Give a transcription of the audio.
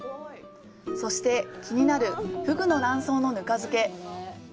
そして、気になるふぐの卵巣の糠漬け。